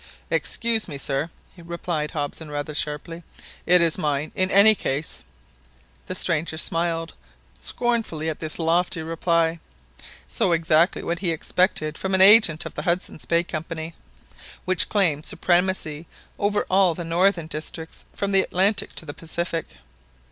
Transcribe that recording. "Excuse me, sir," replied Hobson rather sharply, "it is mine in any case." The stranger smiled. scornfully at this lofty reply, so exactly what be expected from an agent of the Hudson's Bay Company, which claims supremacy over all the northern districts, from the Atlantic to the Pacific.